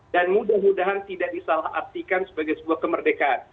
dan mudah mudahan tidak disalah artikan sebagai sebuah kemerdekaan